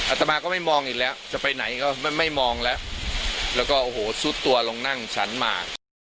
ตมาก็ไม่มองอีกแล้วจะไปไหนก็ไม่มองแล้วแล้วก็โอ้โหซุดตัวลงนั่งฉันมา